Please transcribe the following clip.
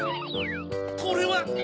これは！